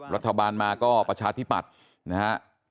รัฐบาลมาก็ประชาธิปัตย์นะฮะ